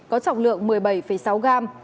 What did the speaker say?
có trọng lượng một mươi bảy sáu gram